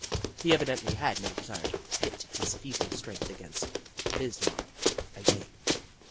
He evidently had no desire to pit his feeble strength against Bis marck again.